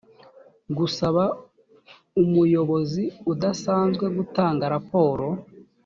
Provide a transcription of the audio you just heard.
gusaba umuyobozi udasanzwe gutanga raporo